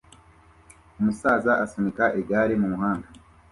umusaza asunika igare mumuhanda